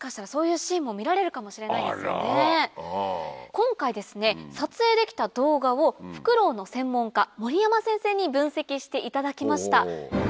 今回撮影できた動画をフクロウの専門家守山先生に分析していただきました。